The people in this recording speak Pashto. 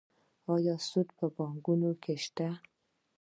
آیا سود په بانکونو کې شته؟